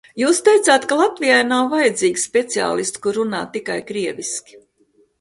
Jūs teicāt, ka Latvijai nav vajadzīgi speciālisti, kuri runā tikai krieviski.